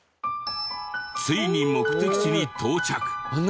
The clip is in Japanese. ついに目的地に到着。